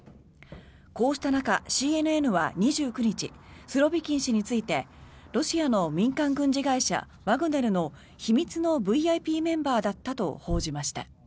こうした中、ＣＮＮは２９日スロビキン氏についてロシアの民間軍事会社ワグネルの秘密のＶＩＰメンバーだったと報じました。